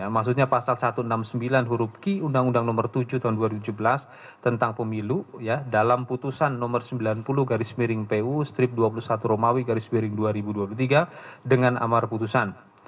maksudnya pasal satu ratus enam puluh sembilan huruf ki undang undang nomor tujuh tahun dua ribu tujuh belas tentang pemilu dalam putusan nomor sembilan puluh garis miring pu strip dua puluh satu romawi garis miring dua ribu dua puluh tiga dengan amar putusan